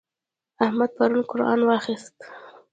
احمد پرون قرآن واخيست.